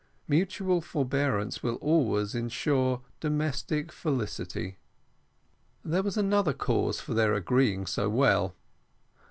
Mutual forbearance will always ensure domestic felicity. There was another cause for their agreeing so well.